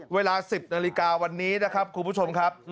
เวลา๑๐นาฬิกาวันนี้นะครับคุณผู้ชมครับ